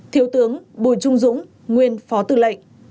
thiếu tướng bùi trung dũng nguyên phó tư lệnh